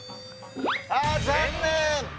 あっ残念！